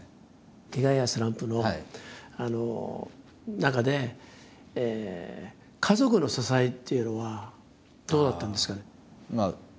ケガやスランプの中で家族の支えっていうのはどうだったんですかね。